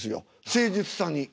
誠実さに。